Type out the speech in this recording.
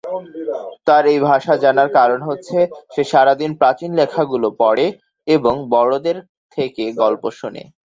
তার এই ভাষা জানার কারণ হচ্ছে সে সারাদিন প্রাচীন লেখাগুলো পড়ে এবং বড়দের থেকে গল্প শুনে।